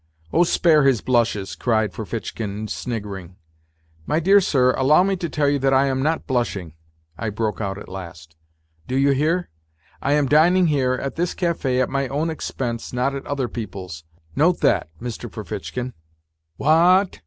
" Oh, spare his blushes," cried Ferfitchkin, sniggering. " My dear sir, allow me to tell you I am not blushing," I broke out at last; "do you hear? I am dining here, at this cafe, at my own expense, not at other people's note that, Mr. Ferfitchkin." " Wha at